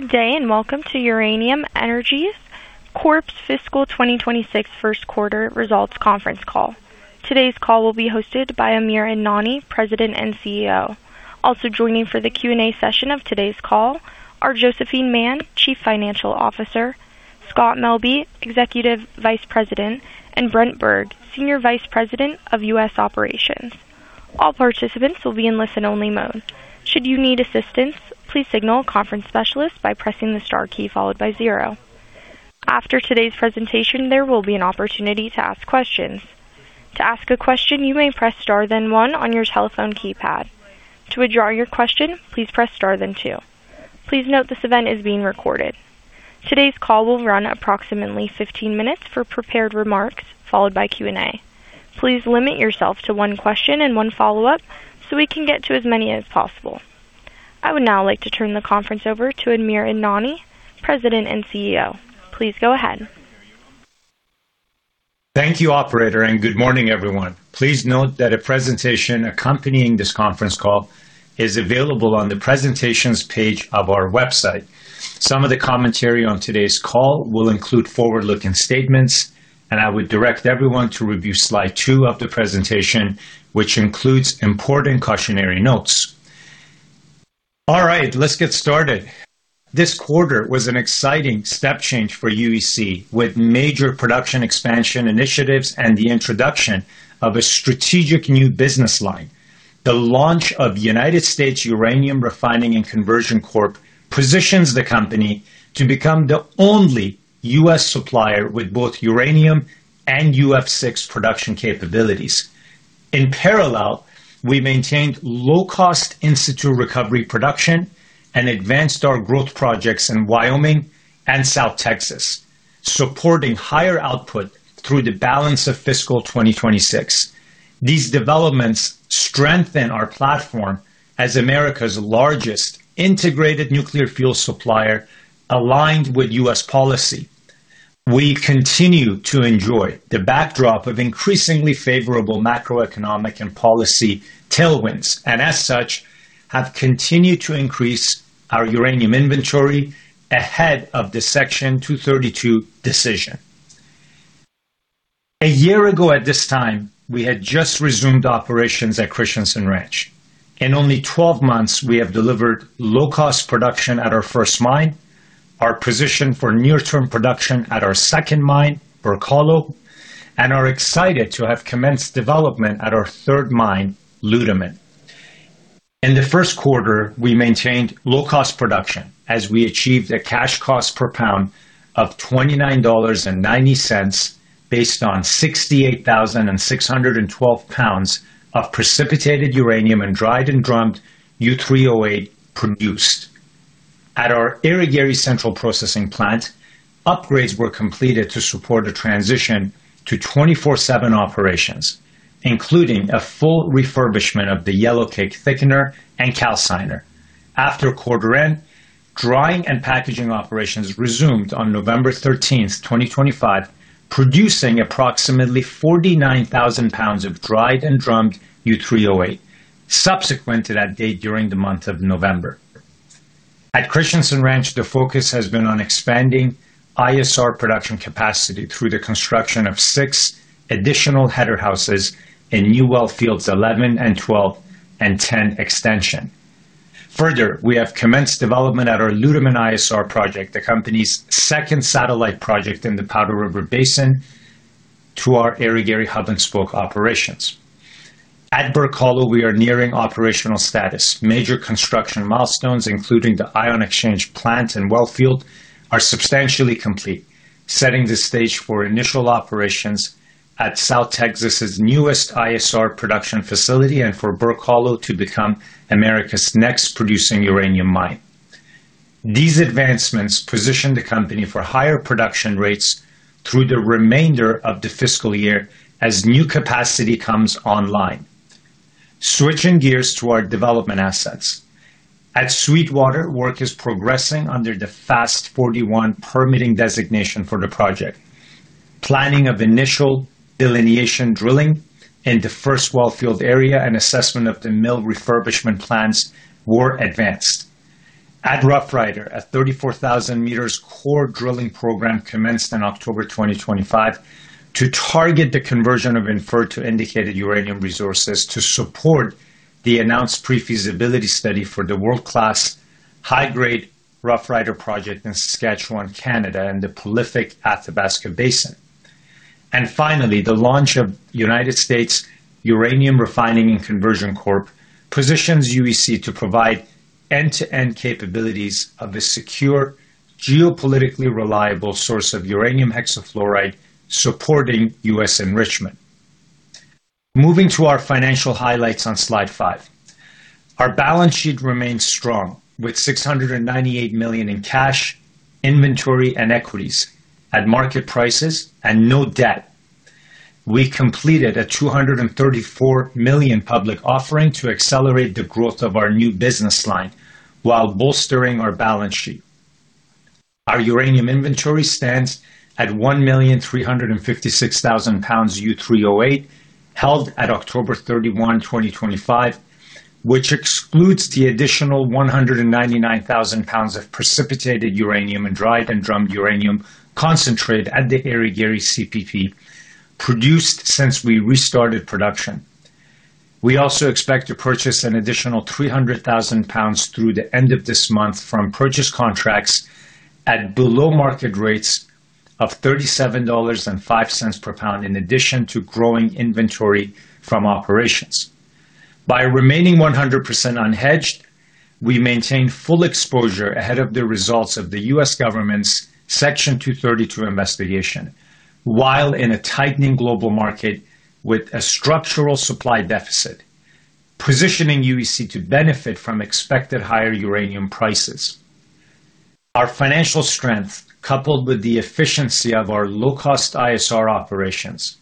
Good day and welcome to Uranium Energy Corp's Fiscal 2026 First Quarter Results Conference Call. Today's call will be hosted by Amir Adnani, President and CEO. Also joining for the Q&A session of today's call are Josephine Man, Chief Financial Officer, Scott Melbye, Executive Vice President, and Brent Berg, Senior Vice President of U.S. Operations. All participants will be in listen-only mode. Should you need assistance, please signal a conference specialist by pressing the star key followed by zero. After today's presentation, there will be an opportunity to ask questions. To ask a question, you may press star then one on your telephone keypad. To withdraw your question, please press star then two. Please note this event is being recorded. Today's call will run approximately 15 minutes for prepared remarks followed by Q&A. Please limit yourself to one question and one follow-up so we can get to as many as possible. I would now like to turn the conference over to Amir Adnani, President and CEO. Please go ahead. Thank you, Operator, and good morning, everyone. Please note that a presentation accompanying this conference call is available on the presentations page of our website. Some of the commentary on today's call will include forward-looking statements, and I would direct everyone to review slide two of the presentation, which includes important cautionary notes. All right, let's get started. This quarter was an exciting step change for UEC with major production expansion initiatives and the introduction of a strategic new business line. The launch of United States Uranium Refining and Conversion Corp positions the company to become the only U.S. supplier with both uranium and UF6 production capabilities. In parallel, we maintained low-cost in-situ recovery production and advanced our growth projects in Wyoming and South Texas, supporting higher output through the balance of fiscal 2026. These developments strengthen our platform as America's largest integrated nuclear fuel supplier, aligned with U.S. policy. We continue to enjoy the backdrop of increasingly favorable macroeconomic and policy tailwinds and, as such, have continued to increase our uranium inventory ahead of the Section 232 decision. A year ago at this time, we had just resumed operations at Christensen Ranch. In only 12 months, we have delivered low-cost production at our first mine, our position for near-term production at our second mine, Burke Hollow, and are excited to have commenced development at our third mine, Ludeman. In the first quarter, we maintained low-cost production as we achieved a cash cost per pound of $29.90 based on 68,612 pounds of precipitated uranium and dried and drummed U3O8 produced. At our Irigaray Central Processing Plant, upgrades were completed to support a transition to 24/7 operations, including a full refurbishment of the yellowcake thickener and calciner. After quarter-end, drying and packaging operations resumed on November 13th, 2025, producing approximately 49,000 lbs of dried and drummed U3O8 subsequent to that date during the month of November. At Christensen Ranch, the focus has been on expanding ISR production capacity through the construction of six additional header houses in new wellfields 11 and 12 and 10 extension. Further, we have commenced development at our Ludeman ISR project, the company's second satellite project in the Powder River Basin, to our Irigaray hub and spoke operations. At Burke Hollow, we are nearing operational status. Major construction milestones, including the ion exchange plant in wellfield, are substantially complete, setting the stage for initial operations at South Texas' newest ISR production facility and for Burke Hollow to become America's next producing uranium mine. These advancements position the company for higher production rates through the remainder of the fiscal year as new capacity comes online. Switching gears to our development assets. At Sweetwater, work is progressing under the FAST-41 permitting designation for the project. Planning of initial delineation drilling in the first wellfield area and assessment of the mill refurbishment plans were advanced. At Roughrider, a 34,000 meters core drilling program commenced in October 2025 to target the conversion of inferred to indicated uranium resources to support the announced pre-feasibility study for the world-class high-grade Roughrider project in Saskatchewan, Canada, and the prolific Athabasca Basin, and finally, the launch of United States Uranium Refining and Conversion Corp positions UEC to provide end-to-end capabilities of a secure, geopolitically reliable source of uranium hexafluoride supporting U.S. enrichment. Moving to our financial highlights on slide five. Our balance sheet remains strong with $698 million in cash, inventory, and equities at market prices and no debt. We completed a $234 million public offering to accelerate the growth of our new business line while bolstering our balance sheet. Our uranium inventory stands at 1,356,000 lbs U3O8 held at October 31, 2025, which excludes the additional 199,000 lbs of precipitated uranium and dried and drummed uranium concentrate at the Irigaray CPP produced since we restarted production. We also expect to purchase an additional 300,000 lbs through the end of this month from purchase contracts at below market rates of $37.05 per lb, in addition to growing inventory from operations. By remaining 100% unhedged, we maintain full exposure ahead of the results of the U.S. government's Section 232 investigation while in a tightening global market with a structural supply deficit, positioning UEC to benefit from expected higher uranium prices. Our financial strength, coupled with the efficiency of our low-cost ISR operations,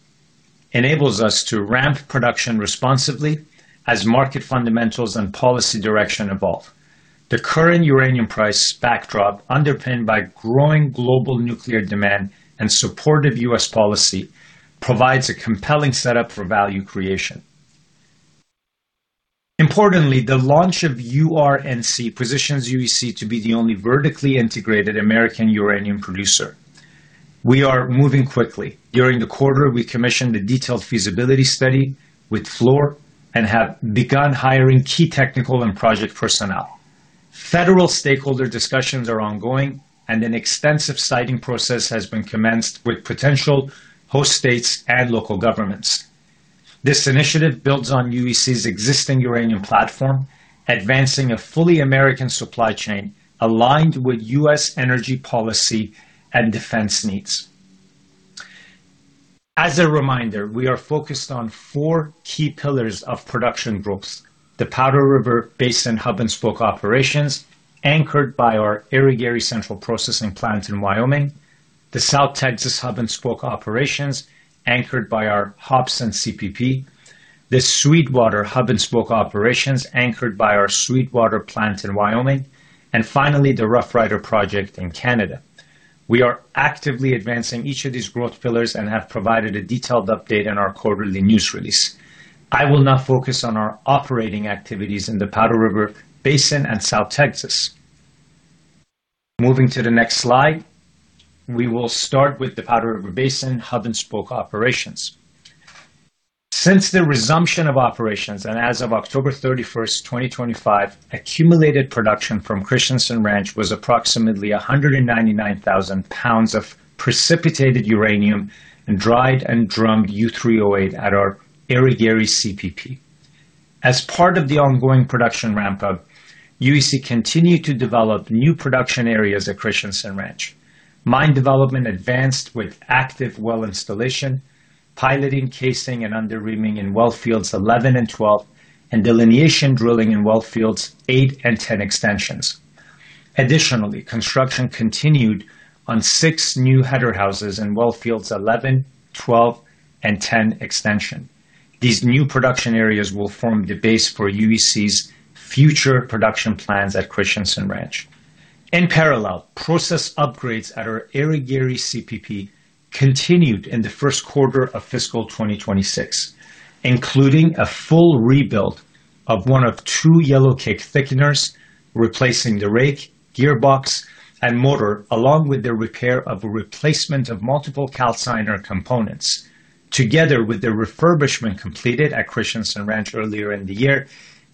enables us to ramp production responsibly as market fundamentals and policy direction evolve. The current uranium price backdrop, underpinned by growing global nuclear demand and supportive U.S. policy, provides a compelling setup for value creation. Importantly, the launch of UR&C positions UEC to be the only vertically integrated American uranium producer. We are moving quickly. During the quarter, we commissioned a detailed feasibility study with Fluor and have begun hiring key technical and project personnel. Federal stakeholder discussions are ongoing, and an extensive siting process has been commenced with potential host states and local governments. This initiative builds on UEC's existing uranium platform, advancing a fully American supply chain aligned with U.S. energy policy and defense needs. As a reminder, we are focused on four key pillars of production growth: the Powder River Basin Hub and Spoke operations, anchored by our Irigaray Central Processing Plant in Wyoming, the South Texas Hub and Spoke operations, anchored by our Hobson CPP, the Sweetwater Hub and Spoke operations, anchored by our Sweetwater Plant in Wyoming, and finally, the Roughrider project in Canada. We are actively advancing each of these growth pillars and have provided a detailed update in our quarterly news release. I will now focus on our operating activities in the Powder River Basin and South Texas. Moving to the next slide, we will start with the Powder River Basin Hub and Spoke operations. Since the resumption of operations and as of October 31st, 2025, accumulated production from Christensen Ranch was approximately 199,000 pounds of precipitated uranium and dried and drummed U3O8 at our Irigaray CPP. As part of the ongoing production ramp-up, UEC continued to develop new production areas at Christensen Ranch. Mine development advanced with active well installation, piloting casing and underreaming in Wellfields 11 and 12, and delineation drilling in Wellfields 8 and 10 extensions. Additionally, construction continued on six new header houses in Wellfields 11, 12, and 10 extension. These new production areas will form the base for UEC's future production plans at Christensen Ranch. In parallel, process upgrades at our Irigaray CPP continued in the first quarter of fiscal 2026, including a full rebuild of one of two yellowcake thickeners, replacing the rake, gearbox, and motor, along with the repair of a replacement of multiple calciner components. Together with the refurbishment completed at Christensen Ranch earlier in the year,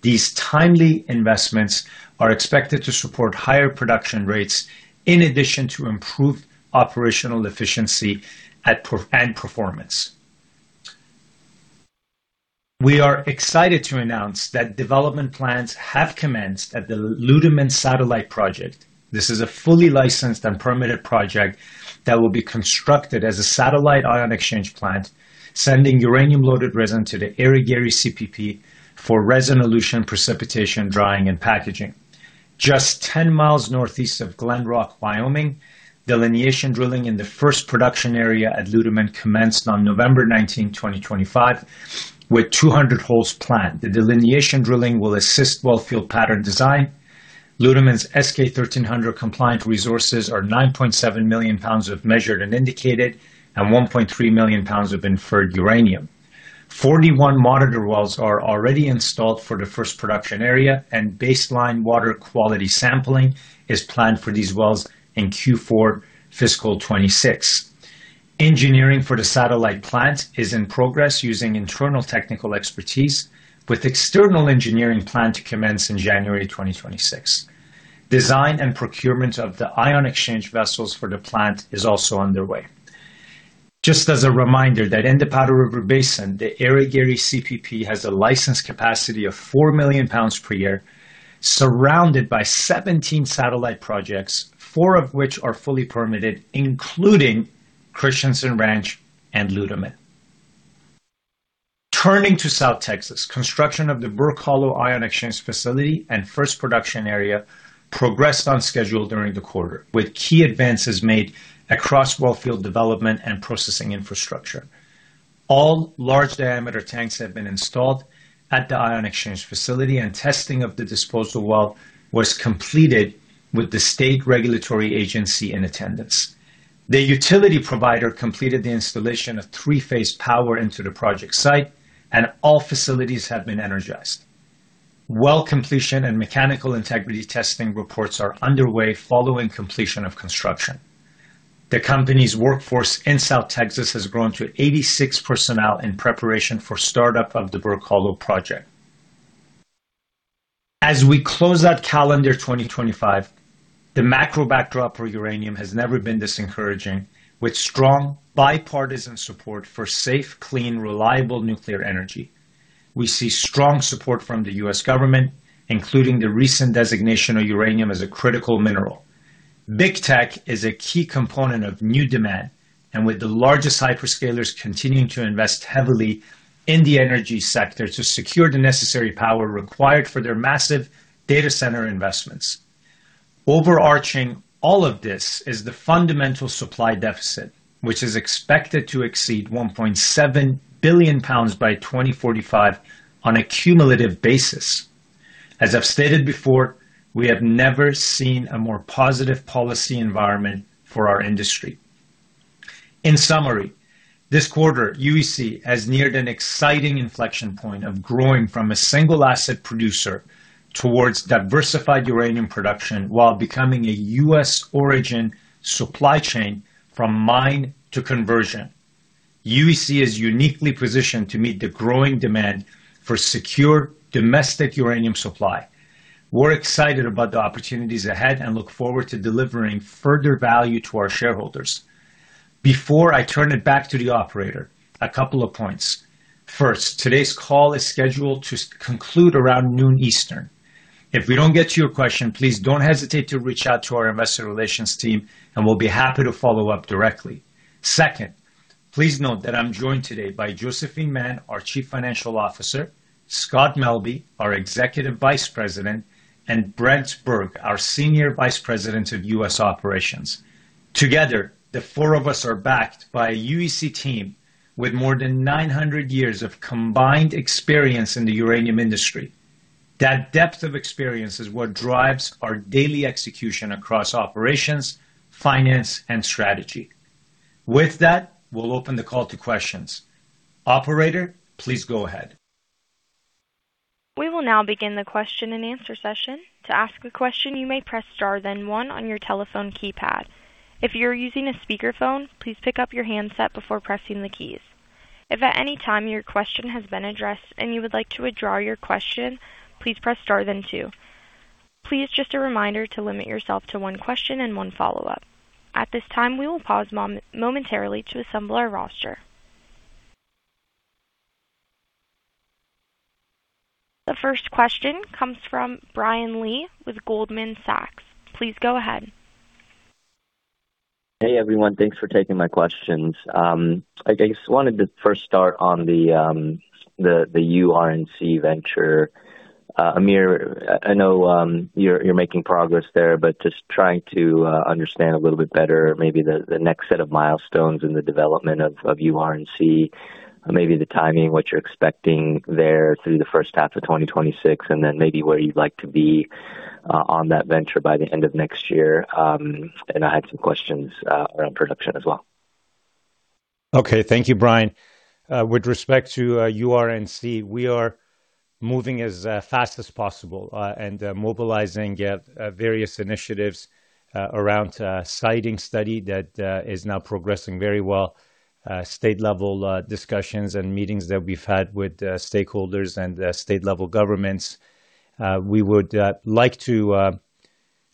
these timely investments are expected to support higher production rates in addition to improved operational efficiency and performance. We are excited to announce that development plans have commenced at the Ludeman Satellite Project. This is a fully licensed and permitted project that will be constructed as a satellite ion exchange plant, sending uranium-loaded resin to the Irigaray CPP for resin elution, precipitation, drying, and packaging. Just 10 mi northeast of Glenrock, Wyoming, delineation drilling in the first production area at Ludeman commenced on November 19, 2025, with 200 holes planned. The delineation drilling will assist well field pattern design. Ludeman's S-K 1300 compliant resources are 9.7 million pounds of measured and indicated and 1.3 million pounds of inferred uranium. 41 monitor wells are already installed for the first production area, and baseline water quality sampling is planned for these wells in Q4 fiscal 2026. Engineering for the satellite plant is in progress using internal technical expertise, with external engineering planned to commence in January 2026. Design and procurement of the ion exchange vessels for the plant is also underway. Just as a reminder that in the Powder River Basin, the Irigaray CPP has a licensed capacity of four million pounds per year, surrounded by 17 satellite projects, four of which are fully permitted, including Christensen Ranch and Ludeman. Turning to South Texas, construction of the Burke Hollow Ion Exchange Facility and first production area progressed on schedule during the quarter, with key advances made across well field development and processing infrastructure. All large diameter tanks have been installed at the ion exchange facility, and testing of the disposal well was completed with the state regulatory agency in attendance. The utility provider completed the installation of three-phase power into the project site, and all facilities have been energized. Well completion and mechanical integrity testing reports are underway following completion of construction. The company's workforce in South Texas has grown to 86 personnel in preparation for startup of the Burke Hollow project. As we close out calendar 2025, the macro backdrop for uranium has never been this encouraging, with strong bipartisan support for safe, clean, reliable nuclear energy. We see strong support from the U.S. government, including the recent designation of uranium as a critical mineral. Big Tech is a key component of new demand, and with the largest hyperscalers continuing to invest heavily in the energy sector to secure the necessary power required for their massive data center investments. Overarching all of this is the fundamental supply deficit, which is expected to exceed 1.7 billion pounds by 2045 on a cumulative basis. As I've stated before, we have never seen a more positive policy environment for our industry. In summary, this quarter, UEC has neared an exciting inflection point of growing from a single asset producer towards diversified uranium production while becoming a U.S. origin supply chain from mine to conversion. UEC is uniquely positioned to meet the growing demand for secure domestic uranium supply. We're excited about the opportunities ahead and look forward to delivering further value to our shareholders. Before I turn it back to the operator, a couple of points. First, today's call is scheduled to conclude around noon Eastern. If we don't get to your question, please don't hesitate to reach out to our investor relations team, and we'll be happy to follow up directly. Second, please note that I'm joined today by Josephine Man, our Chief Financial Officer, Scott Melbye, our Executive Vice President, and Brent Berg, our Senior Vice President of U.S. Operations. Together, the four of us are backed by a UEC team with more than 900 years of combined experience in the uranium industry. That depth of experience is what drives our daily execution across operations, finance, and strategy. With that, we'll open the call to questions. Operator, please go ahead. We will now begin the question and answer session. To ask a question, you may press star, then one on your telephone keypad. If you're using a speakerphone, please pick up your handset before pressing the keys. If at any time your question has been addressed and you would like to withdraw your question, please press star, then two. Please, just a reminder to limit yourself to one question and one follow-up. At this time, we will pause momentarily to assemble our roster. The first question comes from Brian Lee with Goldman Sachs. Please go ahead. Hey, everyone. Thanks for taking my questions. I just wanted to first start on the UR&Cventure. Amir, I know you're making progress there, but just trying to understand a little bit better maybe the next set of milestones in the development of UR&C, maybe the timing, what you're expecting there through the first half of 2026, and then maybe where you'd like to be on that venture by the end of next year, and I had some questions around production as well. Okay. Thank you, Brian. With respect to UR&C, we are moving as fast as possible and mobilizing various initiatives around a siting study that is now progressing very well, state-level discussions and meetings that we've had with stakeholders and state-level governments. We would like to,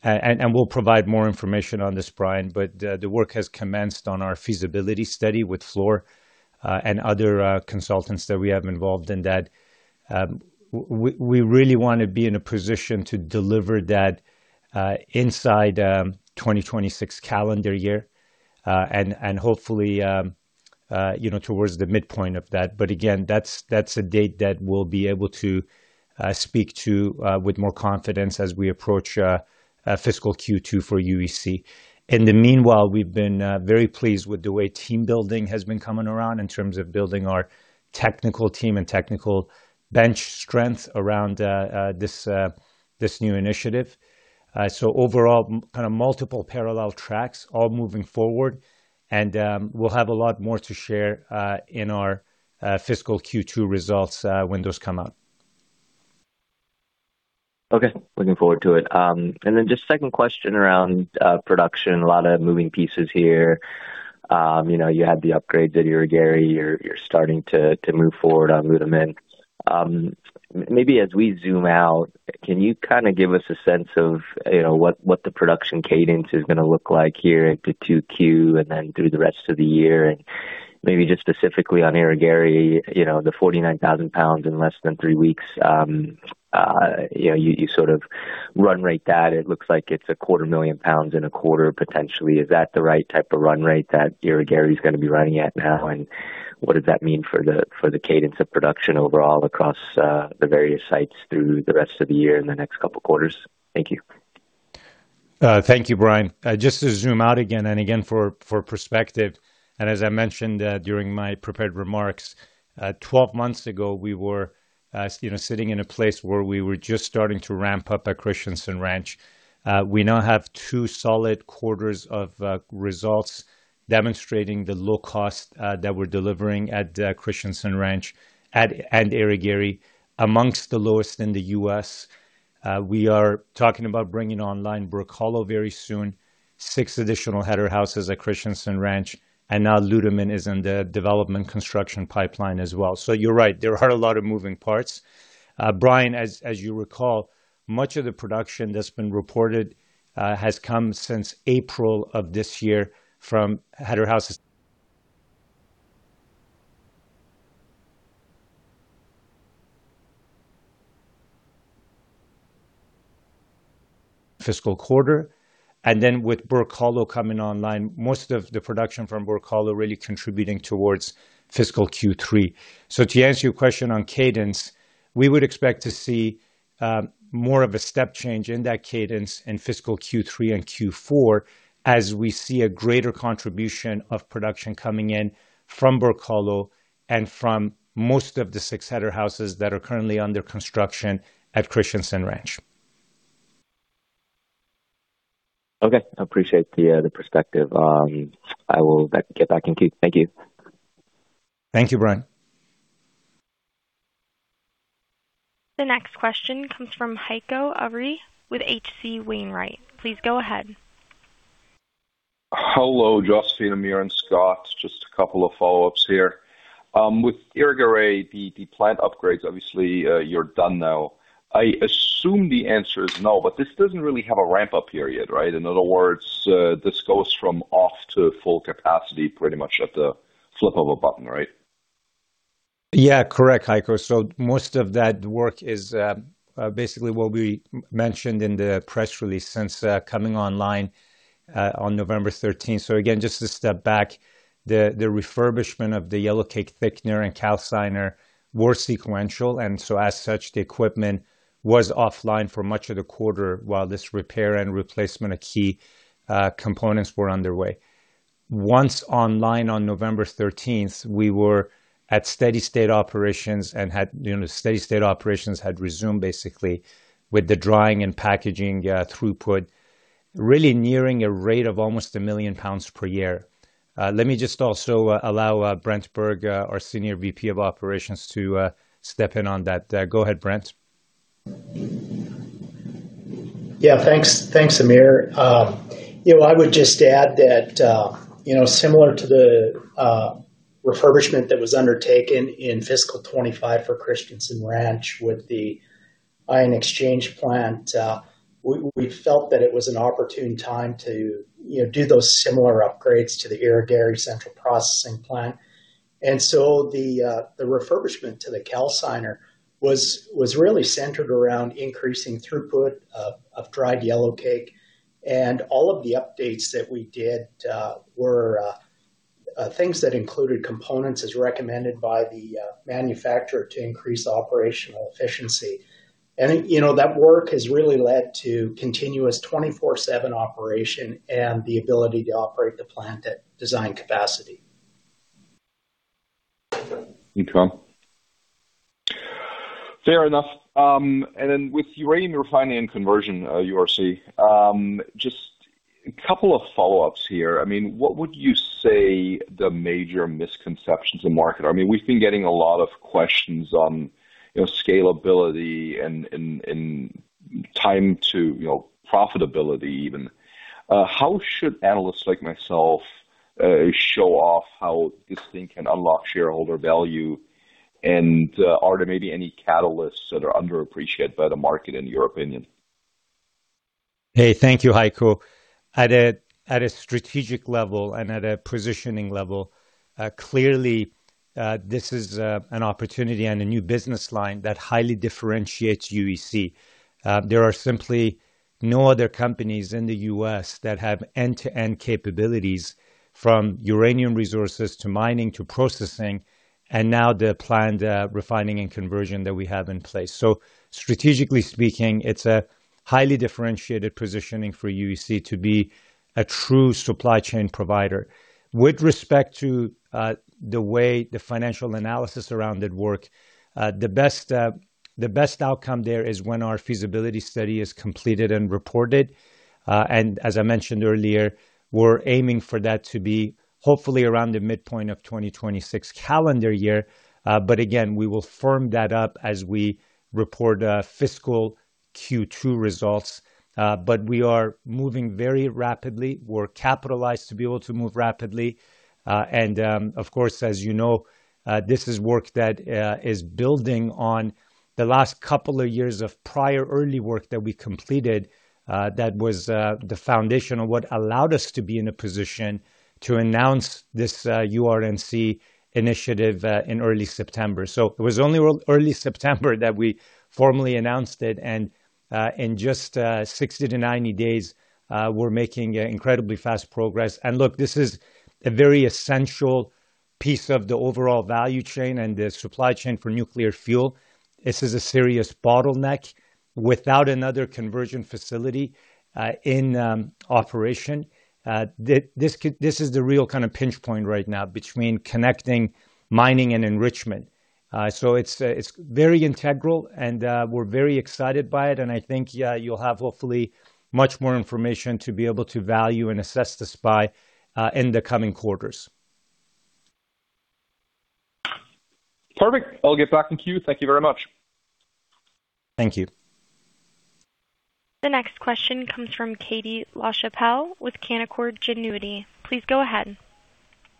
and we'll provide more information on this, Brian, but the work has commenced on our feasibility study with Fluor and other consultants that we have involved in that. We really want to be in a position to deliver that inside 2026 calendar year and hopefully towards the midpoint of that. But again, that's a date that we'll be able to speak to with more confidence as we approach fiscal Q2 for UEC. In the meanwhile, we've been very pleased with the way team building has been coming around in terms of building our technical team and technical bench strength around this new initiative. So overall, kind of multiple parallel tracks, all moving forward, and we'll have a lot more to share in our fiscal Q2 results when those come out. Okay. Looking forward to it. And then just second question around production, a lot of moving pieces here. You had the upgrade that Irigaray you're starting to move forward on Ludeman. Maybe as we zoom out, can you kind of give us a sense of what the production cadence is going to look like here into Q2 and then through the rest of the year? And maybe just specifically on Irigaray, the 49,000 lbs in less than three weeks, you sort of run rate that. It looks like it's 250,000 lbs in a quarter, potentially. Is that the right type of run rate that Irigaray is going to be running at now? And what does that mean for the cadence of production overall across the various sites through the rest of the year and the next couple of quarters? Thank you. Thank you, Brian. Just to zoom out again and again for perspective, and as I mentioned during my prepared remarks, 12 months ago, we were sitting in a place where we were just starting to ramp up at Christensen Ranch. We now have two solid quarters of results demonstrating the low cost that we're delivering at Christensen Ranch and Irigaray among the lowest in the U.S. We are talking about bringing online Burke Hollow very soon, six additional header houses at Christensen Ranch, and now Ludeman is in the development construction pipeline as well, so you're right, there are a lot of moving parts. Brian, as you recall, much of the production that's been reported has come since April of this year from header houses fiscal quarter, and then with Burke Hollow coming online, most of the production from Burke Hollow really contributing towards fiscal Q3. So to answer your question on cadence, we would expect to see more of a step change in that cadence in fiscal Q3 and Q4 as we see a greater contribution of production coming in from Burke Hollow and from most of the six header houses that are currently under construction at Christensen Ranch. Okay. I appreciate the perspective. I will get back in queue. Thank you. Thank you, Brian. The next question comes from Heiko Ihle with H.C. Wainwright. Please go ahead. Hello, Josephine, Amir, and Scott. Just a couple of follow-ups here. With Irigaray, the plant upgrades, obviously, you're done now. I assume the answer is no, but this doesn't really have a ramp-up period, right? In other words, this goes from off to full capacity pretty much at the flip of a button, right? Yeah, correct, Heiko. Most of that work is basically what we mentioned in the press release since coming online on November 13th. So again, just to step back, the refurbishment of the yellowcake thickener and calciner were sequential, and so as such, the equipment was offline for much of the quarter while this repair and replacement of key components were underway. Once online on November 13th, we were at steady-state operations and steady-state operations had resumed basically with the drying and packaging throughput really nearing a rate of almost a million pounds per year. Let me just also allow Brent Berg, our Senior VP of Operations, to step in on that. Go ahead, Brent. Yeah, thanks, Amir. I would just add that similar to the refurbishment that was undertaken in fiscal 2025 for Christensen Ranch with the ion exchange plant, we felt that it was an opportune time to do those similar upgrades to the Irigaray Central Processing Plant, and so the refurbishment to the calciner was really centered around increasing throughput of dried yellowcake, and all of the updates that we did were things that included components as recommended by the manufacturer to increase operational efficiency, and that work has really led to continuous 24/7 operation and the ability to operate the plant at design capacity. Fair enough, and then with uranium refining and conversion, URC, just a couple of follow-ups here. I mean, what would you say the major misconceptions in the market are? I mean, we've been getting a lot of questions on scalability and time to profitability even. How should analysts like myself show off how this thing can unlock shareholder value? and are there maybe any catalysts that are underappreciated by the market in your opinion? Hey, thank you, Heiko. At a strategic level and at a positioning level, clearly, this is an opportunity and a new business line that highly differentiates UEC. There are simply no other companies in the U.S. that have end-to-end capabilities from uranium resources to mining to processing and now the planned refining and conversion that we have in place. So strategically speaking, it's a highly differentiated positioning for UEC to be a true supply chain provider. With respect to the way the financial analysis around it worked, the best outcome there is when our feasibility study is completed and reported, and as I mentioned earlier, we're aiming for that to be hopefully around the midpoint of 2026 calendar year. But again, we will firm that up as we report fiscal Q2 results. But we are moving very rapidly. We're capitalized to be able to move rapidly. And of course, as you know, this is work that is building on the last couple of years of prior early work that we completed that was the foundation of what allowed us to be in a position to announce this UR&C initiative in early September. So it was only early September that we formally announced it. And in just 60-90 days, we're making incredibly fast progress. And look, this is a very essential piece of the overall value chain and the supply chain for nuclear fuel. This is a serious bottleneck without another conversion facility in operation. This is the real kind of pinch point right now between connecting mining and enrichment. So it's very integral, and we're very excited by it. And I think you'll have hopefully much more information to be able to value and assess this by in the coming quarters. Perfect. I'll get back in queue. Thank you very much. Thank you. The next question comes from Katie Lachapelle with Canaccord Genuity. Please go ahead.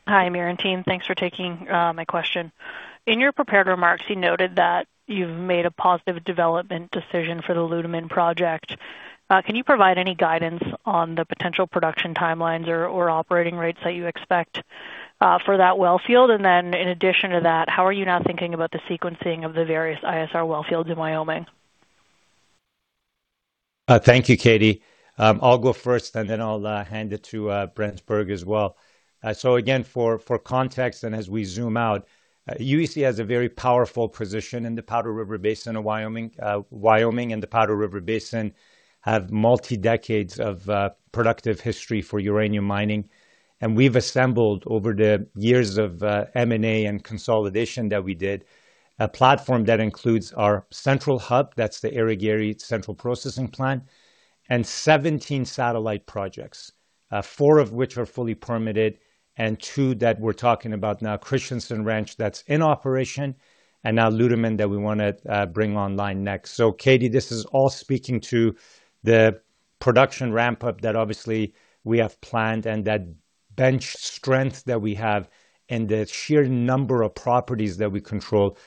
Hi, Amir and team. Thanks for taking my question. In your prepared remarks, you noted that you've made a positive development decision for the Ludeman project. Can you provide any guidance on the potential production timelines or operating rates that you expect for that well field? And then in addition to that, how are you now thinking about the sequencing of the various ISR well fields in Wyoming? Thank you, Katie. I'll go first, and then I'll hand it to Brent Berg as well. So again, for context and as we zoom out, UEC has a very powerful position in the Powder River Basin of Wyoming. Wyoming and the Powder River Basin have multi-decades of productive history for uranium mining. And we've assembled over the years of M&A and consolidation that we did a platform that includes our central hub, that's the Irigaray Central Processing Plant, and 17 satellite projects, four of which are fully permitted and two that we're talking about now, Christensen Ranch that's in operation, and now Ludeman that we want to bring online next. So Katie, this is all speaking to the production ramp-up that obviously we have planned and that bench strength that we have and the sheer number of properties that we control,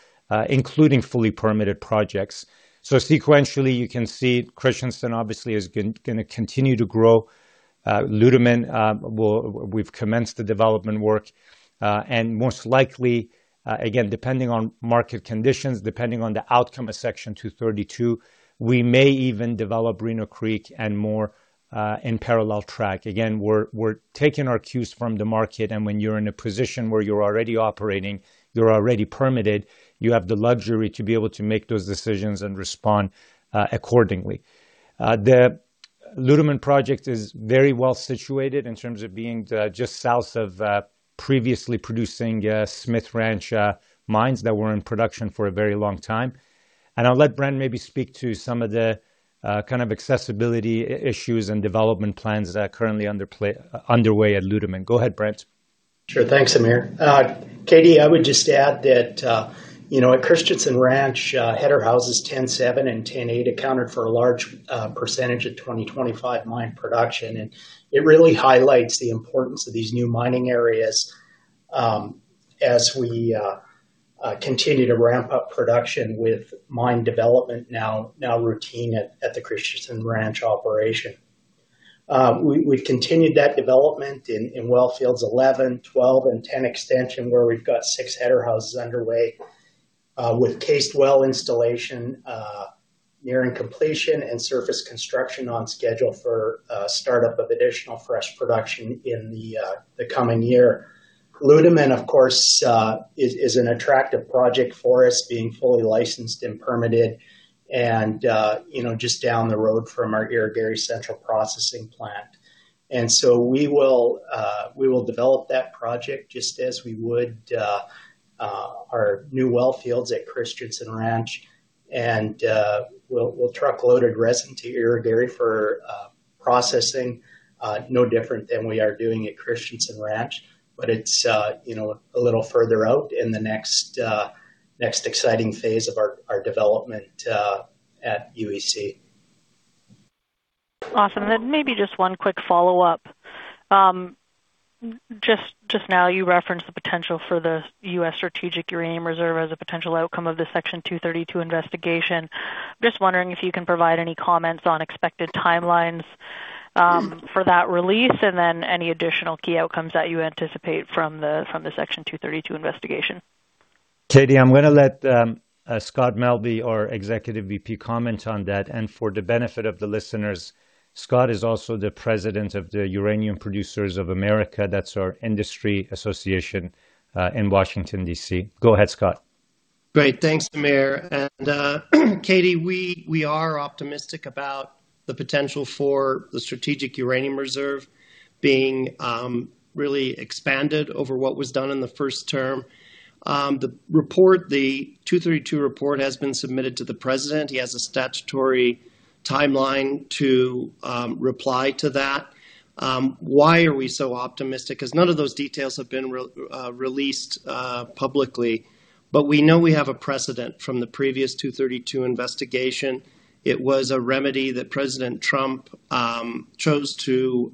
including fully permitted projects. So sequentially, you can see Christensen obviously is going to continue to grow. Ludeman, we've commenced the development work. Most likely, again, depending on market conditions, depending on the outcome of Section 232, we may even develop Reno Creek and more in parallel track. Again, we're taking our cues from the market. When you're in a position where you're already operating, you're already permitted, you have the luxury to be able to make those decisions and respond accordingly. The Ludeman project is very well situated in terms of being just south of previously producing Smith Ranch mines that were in production for a very long time. I'll let Brent maybe speak to some of the kind of accessibility issues and development plans that are currently underway at Ludeman. Go ahead, Brent. Sure. Thanks, Amir. Katie, I would just add that at Christensen Ranch, header houses 107 and 108 accounted for a large percentage of 2025 mine production. And it really highlights the importance of these new mining areas as we continue to ramp up production with mine development now routine at the Christensen Ranch operation. We've continued that development in well fields 11, 12, and 10 extension where we've got six header houses underway with cased well installation nearing completion and surface construction on schedule for startup of additional fresh production in the coming year. Ludeman, of course, is an attractive project for us being fully licensed and permitted and just down the road from our Irigaray Central Processing Plant. And so we will develop that project just as we would our new well fields at Christensen Ranch. And we'll truckload resin to Irigaray for processing, no different than we are doing at Christensen Ranch, but it's a little further out in the next exciting phase of our development at UEC. Awesome. And then maybe just one quick follow-up. Just now, you referenced the potential for the U.S. Strategic Uranium Reserve as a potential outcome of the Section 232 investigation. I'm just wondering if you can provide any comments on expected timelines for that release and then any additional key outcomes that you anticipate from the Section 232 investigation. Katie, I'm going to let Scott Melbye, our Executive VP, comment on that. And for the benefit of the listeners, Scott is also the president of the Uranium Producers of America. That's our industry association in Washington, D.C. Go ahead, Scott. Great. Thanks, Amir. And Katie, we are optimistic about the potential for the Strategic Uranium Reserve being really expanded over what was done in the first term. The 232 report has been submitted to the president. He has a statutory timeline to reply to that. Why are we so optimistic? Because none of those details have been released publicly, but we know we have a precedent from the previous 232 investigation. It was a remedy that President Trump chose to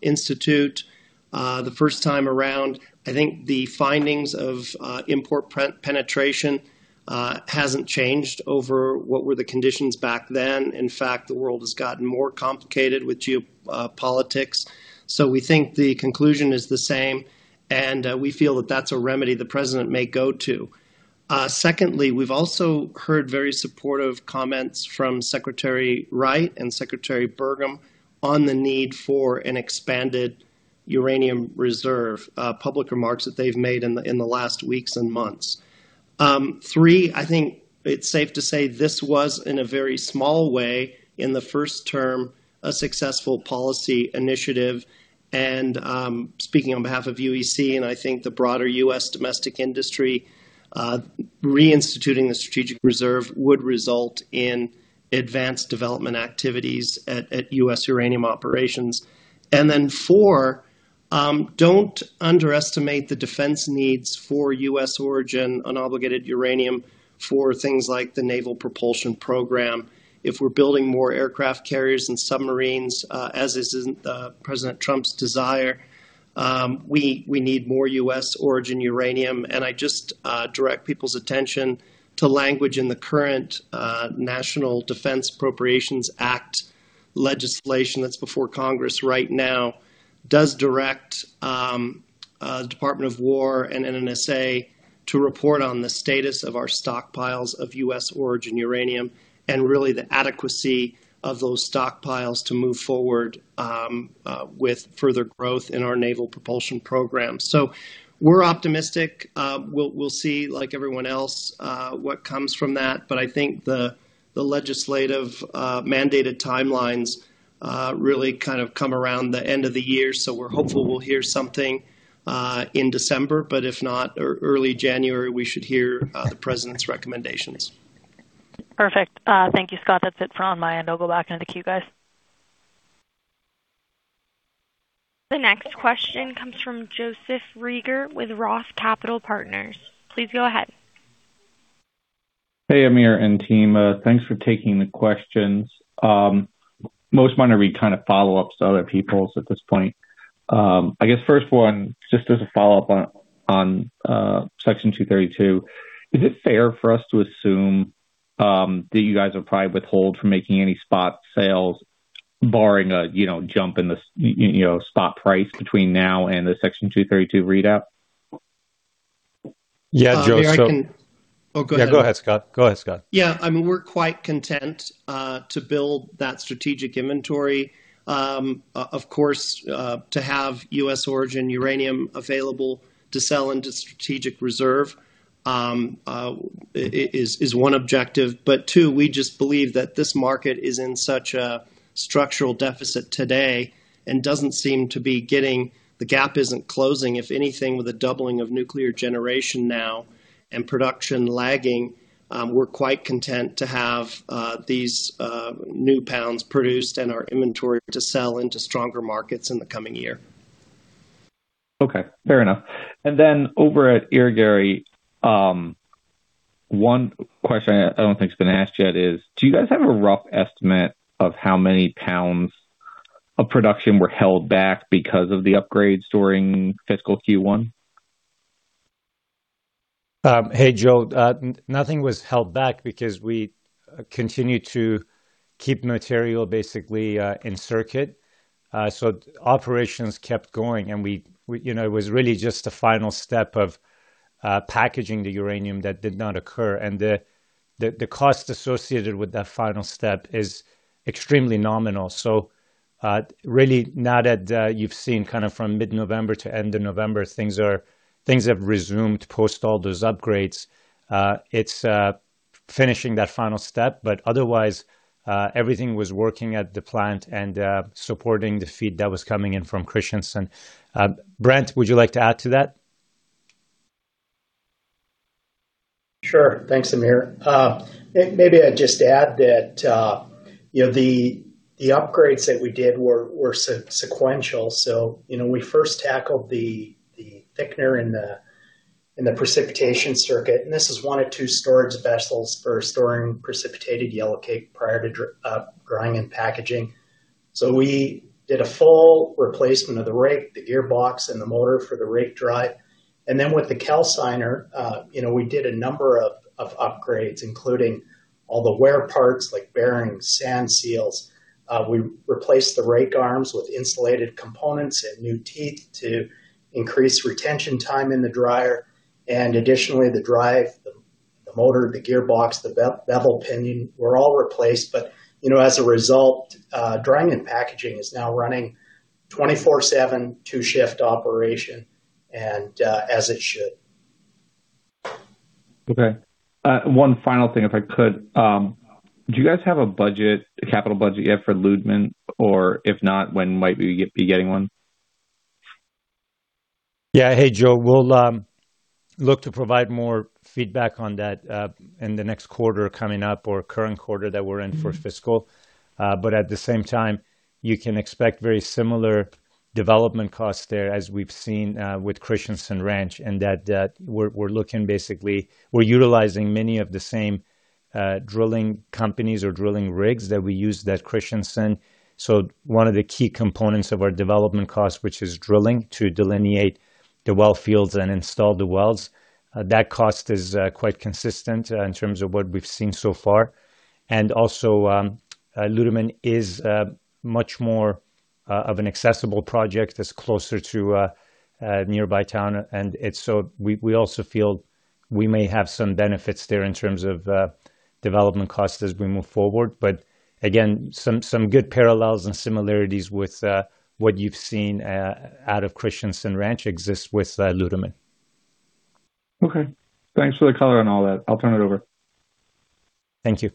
institute the first time around. I think the findings of import penetration haven't changed over what were the conditions back then. In fact, the world has gotten more complicated with geopolitics, so we think the conclusion is the same, and we feel that that's a remedy the president may go to. Secondly, we've also heard very supportive comments from Secretary Wright and Secretary Burgum on the need for an expanded uranium reserve, public remarks that they've made in the last weeks and months. Three, I think it's safe to say this was, in a very small way, in the first term, a successful policy initiative, and speaking on behalf of UEC and I think the broader U.S. Domestic industry, reinstituting the Strategic Reserve would result in advanced development activities at U.S. uranium operations, and then four, don't underestimate the defense needs for U.S. origin unobligated uranium for things like the Naval Propulsion Program. If we're building more aircraft carriers and submarines, as is President Trump's desire, we need more U.S. origin uranium, and I just direct people's attention to language in the current National Defense Appropriations Act legislation that's before Congress right now, does direct the Department of Defense and NNSA to report on the status of our stockpiles of U.S. origin uranium and really the adequacy of those stockpiles to move forward with further growth in our Naval Propulsion Program, so we're optimistic. We'll see, like everyone else, what comes from that, but I think the legislative mandated timelines really kind of come around the end of the year. So we're hopeful we'll hear something in December. But if not, early January, we should hear the president's recommendations. Perfect. Thank you, Scott. That's it for now on my end. I'll go back into the queue, guys. The next question comes from Joseph Reagor with Roth Capital Partners. Please go ahead. Hey, Amir and team. Thanks for taking the questions. Most want to read kind of follow-ups to other people's at this point. I guess first one, just as a follow-up on Section 232, is it fair for us to assume that you guys are probably withhold from making any spot sales, barring a jump in the spot price between now and the Section 232 readout? Yeah, Joseph. Oh, go ahead, Scott. Go ahead, Scott. Yeah. I mean, we're quite content to build that strategic inventory. Of course, to have U.S. Domestic uranium available to sell into Strategic Reserve is one objective. But two, we just believe that this market is in such a structural deficit today and doesn't seem to be getting. The gap isn't closing. If anything, with a doubling of nuclear generation now and production lagging, we're quite content to have these new pounds produced and our inventory to sell into stronger markets in the coming year. Okay. Fair enough. And then over at Irigaray, one question I don't think has been asked yet is, do you guys have a rough estimate of how many pounds of production were held back because of the upgrade during fiscal Q1? Hey, Joe, nothing was held back because we continued to keep material basically in circuit. So operations kept going. And it was really just the final step of packaging the uranium that did not occur. And the cost associated with that final step is extremely nominal, so really, now that you've seen kind of from mid-November to end of November, things have resumed post all those upgrades. It's finishing that final step, but otherwise, everything was working at the plant and supporting the feed that was coming in from Christensen. Brent, would you like to add to that? Sure. Thanks, Amir. Maybe I'd just add that the upgrades that we did were sequential, so we first tackled the thickener in the precipitation circuit, and this is one of two storage vessels for storing precipitated yellowcake prior to drying and packaging, so we did a full replacement of the rake, the gearbox, and the motor for the rake drive, and then with the calciner, we did a number of upgrades, including all the wear parts like bearings, sand seals. We replaced the rake arms with insulated components and new teeth to increase retention time in the dryer. And additionally, the drive, the motor, the gearbox, the bevel pinion were all replaced. But as a result, drying and packaging is now running 24/7 two-shift operation as it should. Okay. One final thing, if I could. Do you guys have a budget, a capital budget yet for Ludeman, or if not, when might we be getting one? Yeah. Hey, Joe, we'll look to provide more feedback on that in the next quarter coming up or current quarter that we're in for fiscal. But at the same time, you can expect very similar development costs there as we've seen with Christensen Ranch in that we're looking basically we're utilizing many of the same drilling companies or drilling rigs that we use that Christensen. So one of the key components of our development cost, which is drilling to delineate the well fields and install the wells, that cost is quite consistent in terms of what we've seen so far. And also, Ludeman is much more of an accessible project. It's closer to nearby town. And so we also feel we may have some benefits there in terms of development costs as we move forward. But again, some good parallels and similarities with what you've seen out of Christensen Ranch exist with Ludeman. Okay. Thanks for the color on all that. I'll turn it over. Thank you.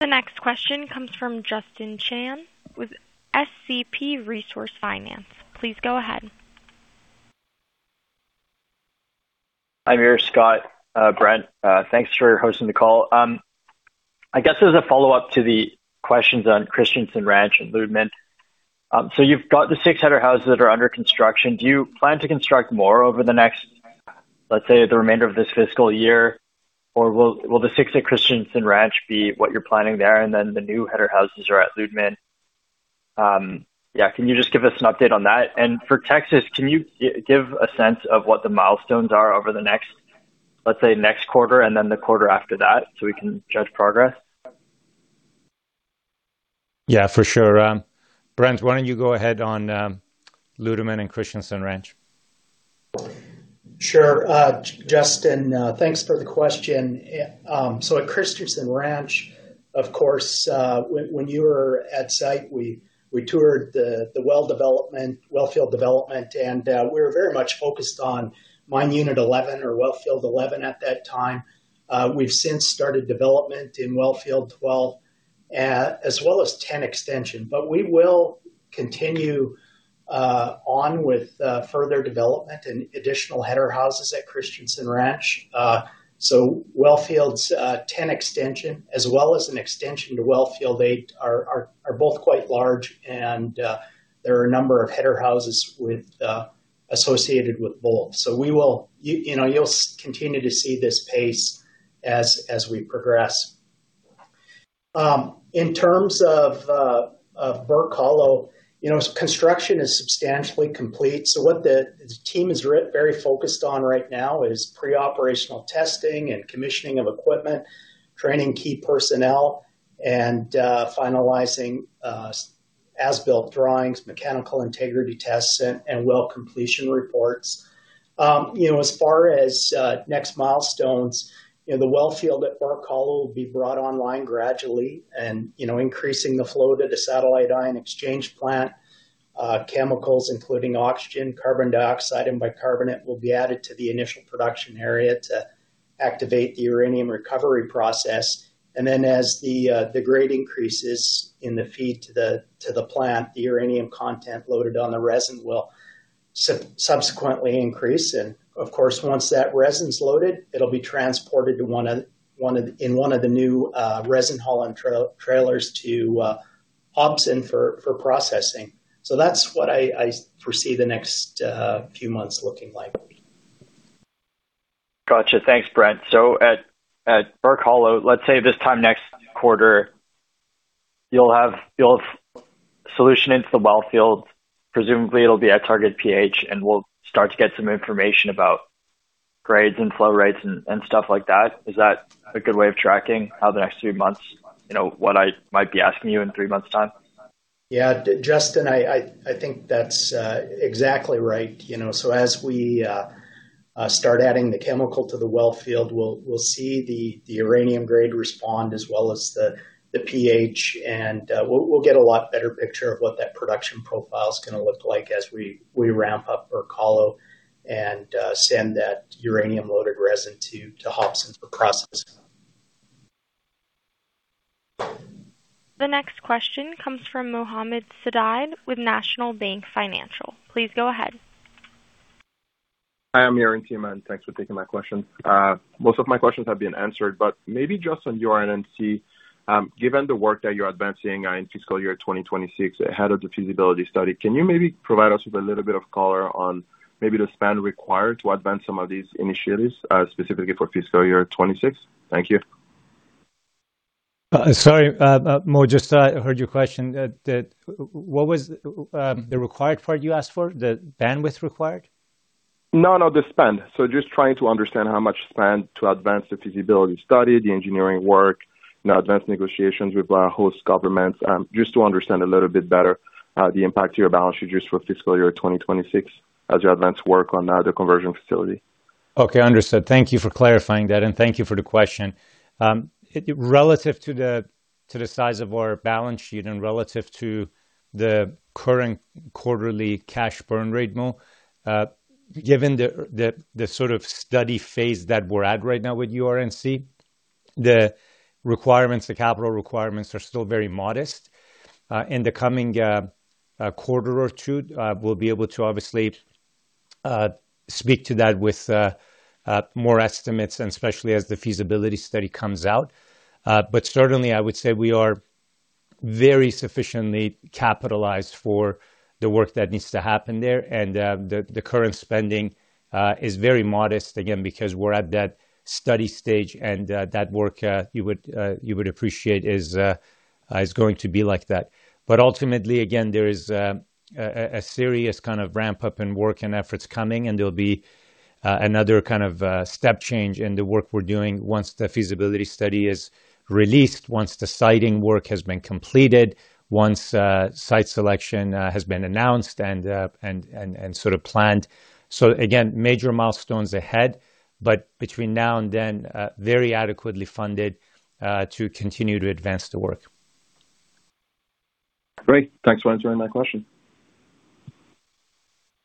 The next question comes from Justin Chan with SCP Resource Finance. Please go ahead. Hi, Amir, Scott, Brent. Thanks for hosting the call. I guess as a follow-up to the questions on Christensen Ranch and Ludeman, so you've got the six header houses that are under construction. Do you plan to construct more over the next, let's say, the remainder of this fiscal year? Or will the six at Christensen Ranch be what you're planning there and then the new header houses are at Ludeman? Yeah. Can you just give us an update on that? And for Texas, can you give a sense of what the milestones are over the next, let's say, next quarter and then the quarter after that so we can judge progress? Yeah, for sure. Brent, why don't you go ahead on Ludeman and Christensen Ranch? Sure. Justin, thanks for the question. So at Christensen Ranch, of course, when you were at site, we toured the wellfield development. And we were very much focused on mine unit 11 or wellfield 11 at that time. We've since started development in wellfield 12 as well as 10 extension. But we will continue on with further development and additional header houses at Christensen Ranch. So wellfield 10 extension, as well as an extension to wellfield 8, are both quite large. And there are a number of header houses associated with both. So you'll continue to see this pace as we progress. In terms of Burke Hollow, construction is substantially complete. So what the team is very focused on right now is pre-operational testing and commissioning of equipment, training key personnel, and finalizing as-built drawings, mechanical integrity tests, and well completion reports. As far as next milestones, the wellfield at Burke Hollow will be brought online gradually and increasing the flow to the satellite ion exchange plant. Chemicals, including oxygen, carbon dioxide, and bicarbonate, will be added to the initial production area to activate the uranium recovery process. And then as the grade increases in the feed to the plant, the uranium content loaded on the resin will subsequently increase. And of course, once that resin's loaded, it'll be transported in one of the new resin hauling trailers to Hobson for processing. So that's what I foresee the next few months looking like. Gotcha. Thanks, Brent. So at Burke Hollow, let's say this time next quarter, you'll have solution into the wellfield. Presumably, it'll be at target pH, and we'll start to get some information about grades and flow rates and stuff like that. Is that a good way of tracking how the next few months, what I might be asking you in three months' time? Yeah. Justin, I think that's exactly right. So as we start adding the chemical to the wellfield, we'll see the uranium grade respond as well as the pH. We'll get a lot better picture of what that production profile is going to look like as we ramp up Burke Hollow and send that uranium-loaded resin to Hobson for processing. The next question comes from Mohamed Sidibé with National Bank Financial. Please go ahead. Hi, Amir and team. And thanks for taking my question. Most of my questions have been answered. But maybe just on your NMC, given the work that you're advancing in fiscal year 2026 ahead of the feasibility study, can you maybe provide us with a little bit of color on maybe the spend required to advance some of these initiatives specifically for fiscal year 2026? Thank you. Sorry. Just I heard your question. What was the required part you asked for? The bandwidth required? No, no, the spend. So, just trying to understand how much spend to advance the feasibility study, the engineering work, advanced negotiations with host governments, just to understand a little bit better the impact to your balance sheet just for fiscal year 2026 as you advance work on the conversion facility? Okay. Understood. Thank you for clarifying that and thank you for the question. Relative to the size of our balance sheet and relative to the current quarterly cash burn rate, given the sort of study phase that we're at right now with UR&C, the requirements, the capital requirements are still very modest. In the coming quarter or two, we'll be able to obviously speak to that with more estimates, especially as the feasibility study comes out, but certainly, I would say we are very sufficiently capitalized for the work that needs to happen there. And the current spending is very modest, again, because we're at that study stage. And that work, you would appreciate, is going to be like that. But ultimately, again, there is a serious kind of ramp-up and work and efforts coming. And there'll be another kind of step change in the work we're doing once the feasibility study is released, once the siting work has been completed, once site selection has been announced and sort of planned. So again, major milestones ahead. But between now and then, very adequately funded to continue to advance the work. Great. Thanks for answering my question.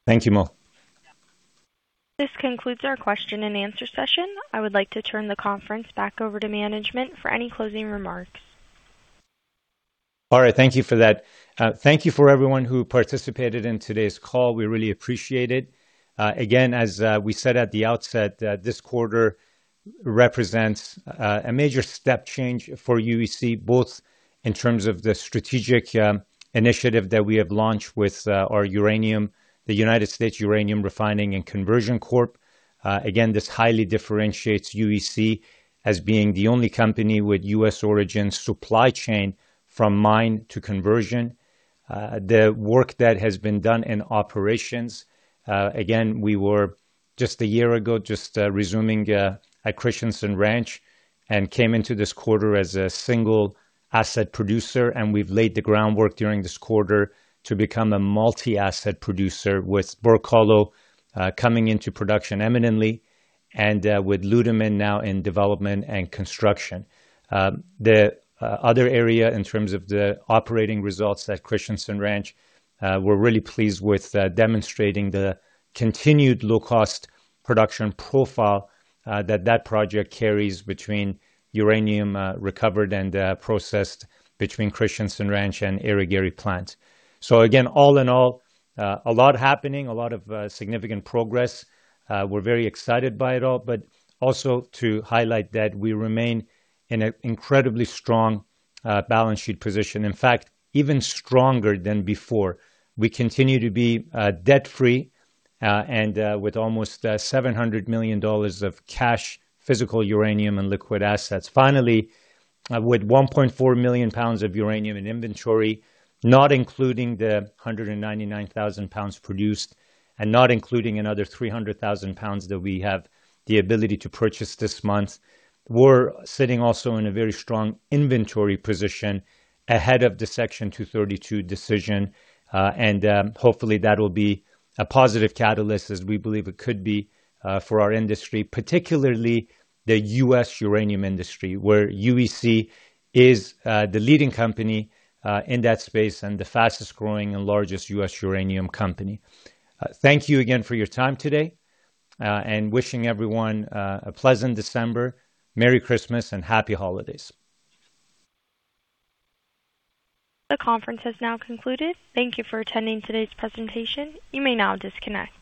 Thank you all. This concludes our question and answer session. I would like to turn the conference back over to management for any closing remarks. All right. Thank you for that. Thank you for everyone who participated in today's call. We really appreciate it. Again, as we said at the outset, this quarter represents a major step change for UEC, both in terms of the strategic initiative that we have launched with our uranium, the United States Uranium Refining and Conversion Corp. Again, this highly differentiates UEC as being the only company with U.S. origin supply chain from mine to conversion. The work that has been done in operations, again, we were just a year ago just resuming at Christensen Ranch and came into this quarter as a single asset producer, and we've laid the groundwork during this quarter to become a multi-asset producer with Burke Hollow coming into production imminently and with Ludeman now in development and construction. The other area in terms of the operating results at Christensen Ranch, we're really pleased with demonstrating the continued low-cost production profile that that project carries between uranium recovered and processed between Christensen Ranch and Irigaray plant, so again, all in all, a lot happening, a lot of significant progress. We're very excited by it all, but also to highlight that we remain in an incredibly strong balance sheet position. In fact, even stronger than before. We continue to be debt-free and with almost $700 million of cash, physical uranium, and liquid assets. Finally, with 1.4 million pounds of uranium in inventory, not including the 199,000 pounds produced and not including another 300,000 pounds that we have the ability to purchase this month, we're sitting also in a very strong inventory position ahead of the Section 232 decision. And hopefully, that will be a positive catalyst, as we believe it could be, for our industry, particularly the U.S. uranium industry, where UEC is the leading company in that space and the fastest growing and largest U.S. uranium company. Thank you again for your time today and wishing everyone a pleasant December, Merry Christmas, and happy holidays. The conference has now concluded. Thank you for attending today's presentation. You may now disconnect.